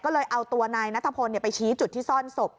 ก็เลยเอาตัวนายนัทพลไปชี้จุดที่ซ่อนศพ